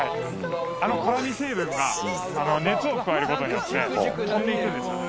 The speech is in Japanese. あの辛味成分が熱を加えることによって飛んでいくんですよ